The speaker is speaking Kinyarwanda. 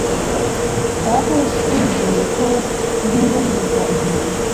Data yanshubije ko ntubahiriza igihe